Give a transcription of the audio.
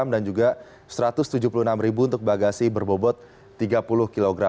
dan juga rp satu ratus tujuh puluh enam untuk bagasi berbobot tiga puluh kg